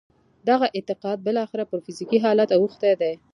دغه اعتقاد بالاخره پر فزیکي حالت اوښتی دی